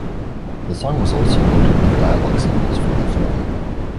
The song was also loaded with dialog samples from the film.